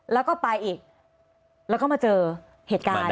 แล้วก็ไปอีกแล้วก็มาเจอเหตุการณ์